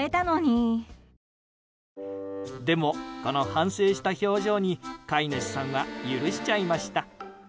でも、この反省した表情に飼い主さんは許しちゃいました。